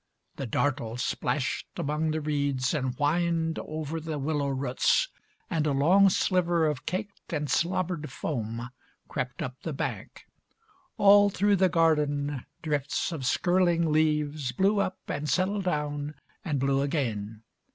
The Dartle splashed among the reeds and whined Over the willow roots, and a long sliver Of caked and slobbered foam crept up the bank. All through the garden, drifts of skirling leaves Blew up, and settled down, and blew again.